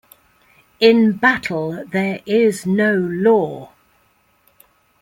In Battle There Is No Law!